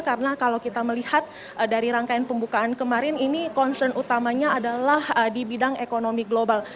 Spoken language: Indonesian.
karena kalau kita melihat dari rangkaian pembukaan kemarin ini concern utamanya adalah di bidang ekonomi global